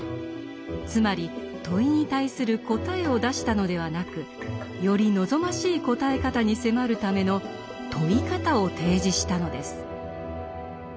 つまり問いに対する「答え」を出したのではなくより望ましい答え方に迫るための「問い方」を提示したのです。